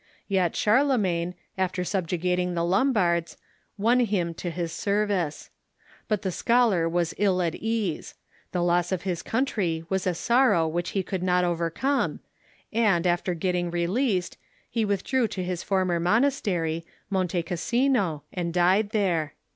Yet Charlemagne, after subjugat ing the Lombards, won him to his service. But the scholar Avas ill at ease. The loss of his country was a sorrow which he could not overcome, and, after getting released, he with drew to his former monastery, Monte Cassino, and died there.